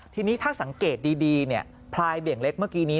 ทีนี้ถ้าสังเกตดีพลายเบี่ยงเล็กเมื่อกี้นี้